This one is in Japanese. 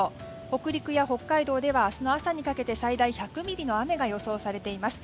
北陸や北海道では明日の朝にかけて最大１００ミリの雨が予想されています。